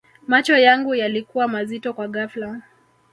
macho yangu yalikuwa mazito kwa ghafla